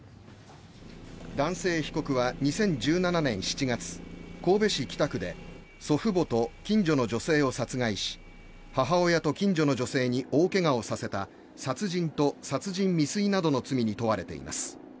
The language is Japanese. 男性被告は２０１７年７月神戸市北区で祖父母と近所の女性を殺害し母親と近所の女性に大怪我をさせた殺人と殺人未遂などの罪に問われています。